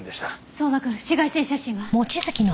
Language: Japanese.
相馬くん紫外線写真は？